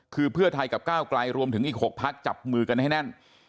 คือเพื่อไทยกับก้าวไกลรวมถึงอีก๖พักจับมือกันให้แน่น